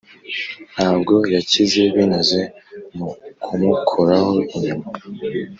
ntabwo yakize binyuze mu kumukoraho inyuma,